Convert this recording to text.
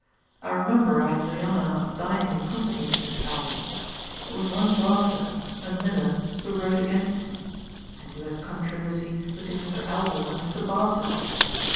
I remember I had the honour of dining in company with Mr. Elwal. There was one Barter, a miller, who wrote against him; and you had the controversy between Mr. ELWAL and Mr. BARTER.